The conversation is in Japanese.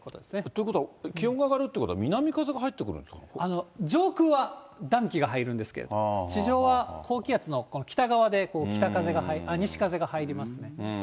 ということは、気温が上がるということは、南風が入ってくる上空は暖気が入るんですけど、地上は高気圧の北側で北風が、あっ、西風が入りますね。